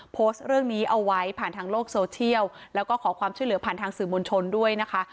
โพสต์เรื่องนี้เอาไว้ผ่านทางโลกโซเชียลแล้วก็ขอความช่วยเหลือผ่านทางสื่อมวลชนด้วยนะคะ